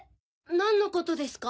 なんのことですか？